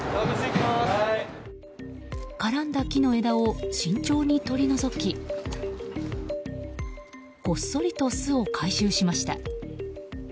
絡んだ木の枝を慎重に取り除きごっそりと巣を回収しました。